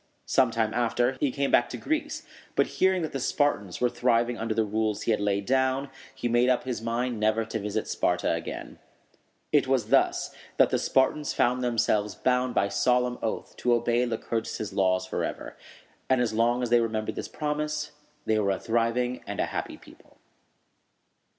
Some time after, he came back to Greece; but, hearing that the Spartans were thriving under the rules he had laid down, he made up his mind never to visit Sparta again. It was thus that the Spartans found themselves bound by solemn oath to obey Lycurgus' laws forever; and as long as they remembered this promise, they were a thriving and happy people.